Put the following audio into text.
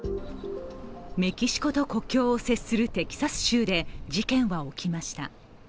メキシコと国境を接するテキサス州で事件は起きました。